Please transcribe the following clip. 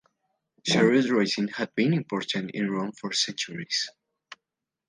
Chariot-racing had been important in Rome for centuries.